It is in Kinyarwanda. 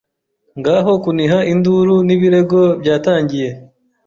Ngaho kuniha induru n'ibirego byatangiye